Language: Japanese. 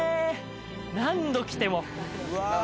何度来ても。